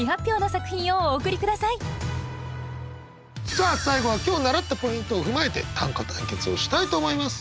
さあ最後は今日習ったポイントを踏まえて短歌対決をしたいと思います。